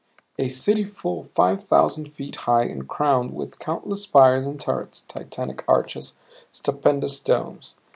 A city full five thousand feet high and crowned with countless spires and turrets, titanic arches, stupendous domes!